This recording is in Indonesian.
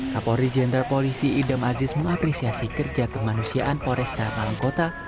kapolri jenderal polisi idem aziz mengapresiasi kerja kemanusiaan foresta malam kota